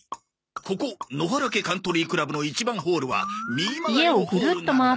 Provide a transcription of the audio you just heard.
ここ野原家カントリークラブの１番ホールは右曲がりのホールなのだ！